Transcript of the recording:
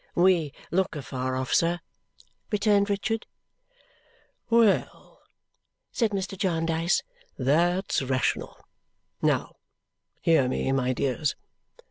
"We look afar off, sir," returned Richard. "Well!" said Mr. Jarndyce. "That's rational. Now, hear me, my dears!